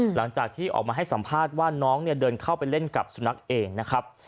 หลังจากที่ออกมาให้สัมภาษณ์ว่าน้องเนี่ยเดินเข้าไปเล่นกับสุนัขเองนะครับ